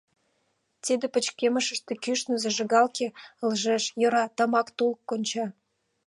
Тиде пычкемыште, кӱшнӧ зажигалке ылыжеш, йӧра, тамак тул конча.